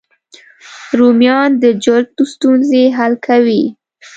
رومیان د جلد ستونزې حل کوي